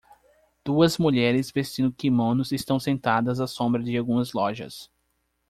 Duas mulheres vestindo quimonos estão sentadas à sombra de algumas lojas.